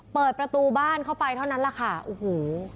เปิดประตูบ้านเข้าไปเท่านั้นแหละค่ะโอ้โห